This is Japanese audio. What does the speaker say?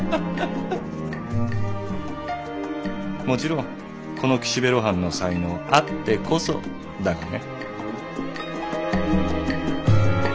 もちろんこの岸辺露伴の才能あってこそだがね。